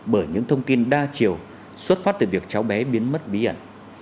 bởi những thông tin đa chiều xuất phát từ việc cháu bé biến mất bí ẩn